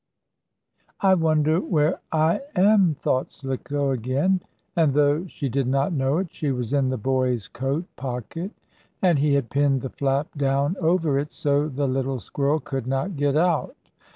"I wonder where I am," thought Slicko, again. And, though she did not know it, she was in the boy's coat pocket, and he had pinned the flap down over it, so the little squirrel could not get out.